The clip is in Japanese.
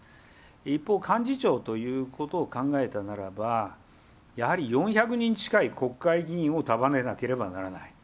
一方、幹事長ということを考えたならば、やはり４００人近い国会議員を束ねなければならない。